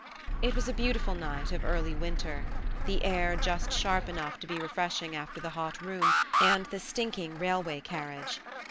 It was a beautiful night of early winter, the air just sharp enough to be refreshing after the hot room and the stinking railway carriage.